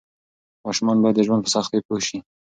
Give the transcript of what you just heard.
ماشومان باید د ژوند په سختۍ پوه شي.